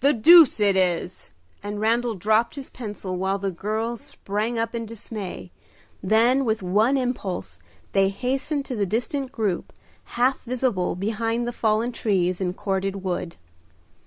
"The deuce it is!" and Randal dropped his pencil, while the girls sprang up in dismay. Then, with one impulse, they hastened to the distant group, half visible behind the fallen trees and corded wood.